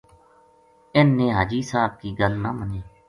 اِنھ نے حاجی صاحب کی گل نہ منی